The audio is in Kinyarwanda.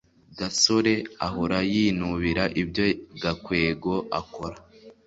gasore ahora yinubira ibyo gakwego akora